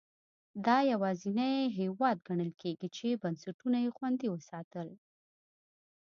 دا یوازینی هېواد ګڼل کېږي چې بنسټونه یې خوندي وساتل.